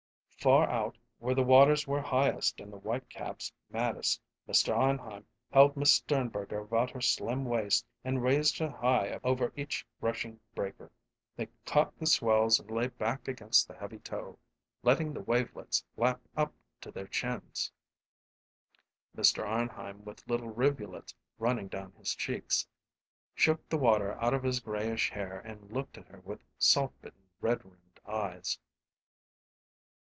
Far out, where the waters were highest and the whitecaps maddest, Mr. Arnheim held Miss Sternberger about her slim waist and raised her high over each rushing breaker. They caught the swells and lay back against the heavy tow, letting the wavelets lap up to their chins. Mr. Arnheim, with little rivulets running down his cheeks, shook the water out of his grayish hair and looked at her with salt bitten, red rimmed eyes.